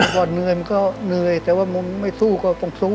พอเหนื่อยมันก็เหนื่อยแต่ว่ามึงไม่สู้ก็ต้องสู้